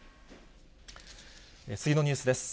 次のニュースです。